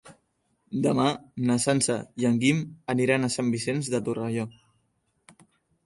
Demà na Sança i en Guim aniran a Sant Vicenç de Torelló.